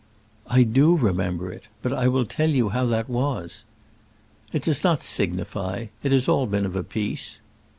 "I do remember it; but I will tell you how that was." "It does not signify. It has been all of a piece."